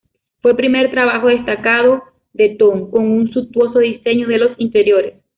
Fue primer trabajo destacado de Thon, con un suntuoso diseño de los interiores.